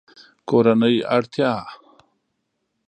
کورنۍ اړتیا